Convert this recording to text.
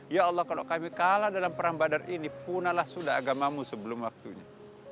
ya allah kalau kami kalah dalam perang badar ini punahlah sudah agamamu sebelum waktunya